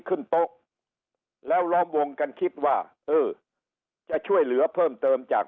ขึ้นโต๊ะแล้วล้อมวงกันคิดว่าเออจะช่วยเหลือเพิ่มเติมจาก